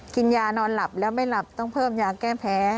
กินยานอนหลับแล้วไม่หลับต้องเพิ่มยาแก้แพ้